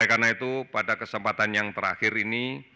oleh karena itu pada kesempatan yang terakhir ini